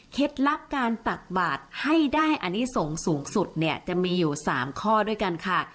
ลับการตักบาทให้ได้อนิสงฆ์สูงสุดเนี่ยจะมีอยู่๓ข้อด้วยกันค่ะ